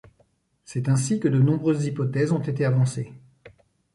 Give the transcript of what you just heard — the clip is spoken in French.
C'est ainsi que de nombreuses hypothèses ont été avancées.